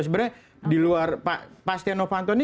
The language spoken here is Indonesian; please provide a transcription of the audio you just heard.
sebenarnya di luar pak setia novanto ini